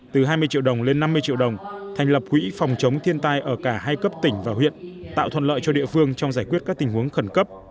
từ hai mươi triệu đồng lên năm mươi triệu đồng thành lập quỹ phòng chống thiên tai ở cả hai cấp tỉnh và huyện tạo thuận lợi cho địa phương trong giải quyết các tình huống khẩn cấp